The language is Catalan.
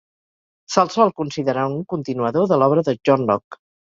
Se'l sol considerar un continuador de l'obra de John Locke.